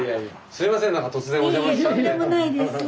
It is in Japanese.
すいませんね。